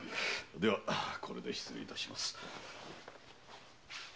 ではこれで失礼致します。